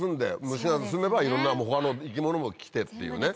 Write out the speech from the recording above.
虫がすめばいろんな他の生き物も来てっていうね。